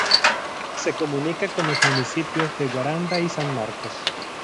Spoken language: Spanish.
Se comunica con los municipios de Guaranda y San Marcos.